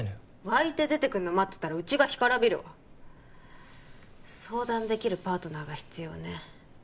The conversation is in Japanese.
湧いて出てくるの待ってたらうちが干からびるわ相談できるパートナーが必要ね